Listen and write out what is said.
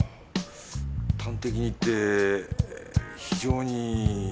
端的に言って非常に。